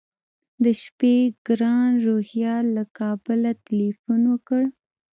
د شپې ګران روهیال له کابله تیلفون وکړ.